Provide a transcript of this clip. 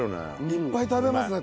いっぱい食べますね